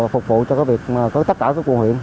phục vụ cho việc tới tất cả các quận huyện